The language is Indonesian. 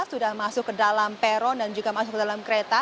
sudah masuk ke dalam peron dan juga masuk ke dalam kereta